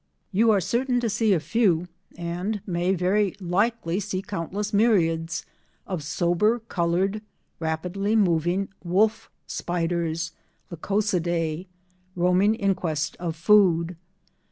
You are certain to see a few—and may very likely see countless myriads—of sober coloured, rapidly moving "wolf spiders" (Lycosidae), roaming in quest of food.